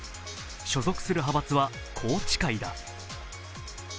所属する派閥は宏池会だ。